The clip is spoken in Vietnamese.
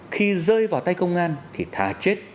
khi rơi vào tay công an thì thà chết